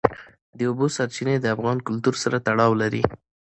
د اوبو سرچینې د افغان کلتور سره تړاو لري.